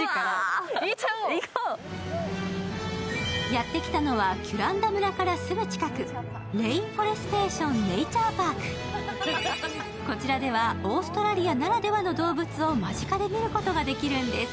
やってきたのはキュランダ村からすぐ近く、レインフォレステーション・ネイチャー・パークこちらではオーストラリアならではの動物を間近で見ることができるんです。